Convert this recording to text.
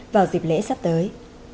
vào dịp lễ sắp tới